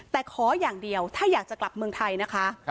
แต่ขออย่างเดียวถ้าอยากจะกลับเมืองไทยนะคะ